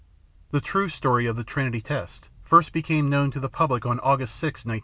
The true story of the Trinity test first became known to the public on August 6, 1945.